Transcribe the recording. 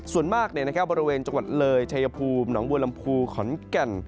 ส่วนมากในนะครับบริเวณจังหวัดเลยชายภูมิหนองบวลลำพูขอนกัน